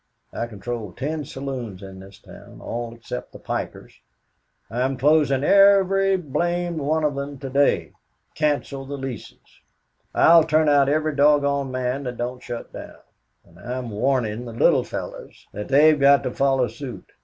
"I control ten saloons in this town all except the pikers I'm closing every blamed one of them to day canceled the leases. I'll turn out every doggone man that don't shut down. And I'm warnin' the little fellows that they've got to follow suit.